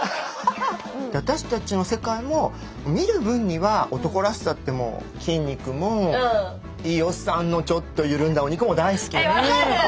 私たちの世界も見る分には男らしさって筋肉もいいおっさんのちょっと緩んだお肉も大好きなんだけど。